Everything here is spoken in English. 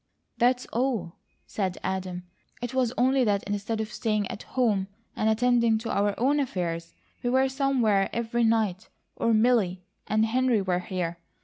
"That's all," said Adam. "It was only that instead of staying at home and attending to our own affairs we were somewhere every night, or Milly and Henry were here.